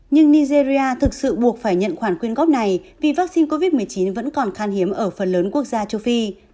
nhưng nigeria thực sự buộc phải nhận khoản quyên góp này vì vaccine covid một mươi chín vẫn còn khan hiếm ở phần lớn quốc gia châu phi